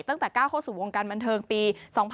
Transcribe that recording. ตั้งแต่ก้าวเข้าสู่วงการบันเทิงปี๒๕๖๒